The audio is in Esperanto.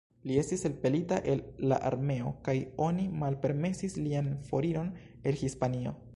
Li estis elpelita el la armeo kaj oni malpermesis lian foriron el Hispanio.